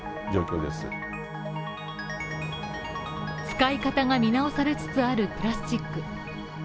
使い方が見直されつつあるプラスチック。